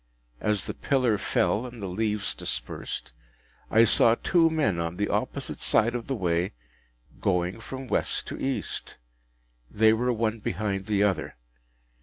As the pillar fell and the leaves dispersed, I saw two men on the opposite side of the way, going from West to East. They were one behind the other.